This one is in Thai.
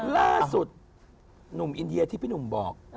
ล่าสุดหนุ่มอินเดียที่พี่หนุ่มบอก